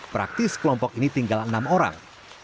praktis kelompok ini tinggal enam orang